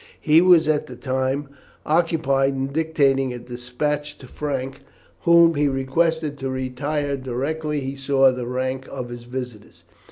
He was at the time occupied in dictating a despatch to Frank, whom he requested to retire directly he saw the rank of his visitors.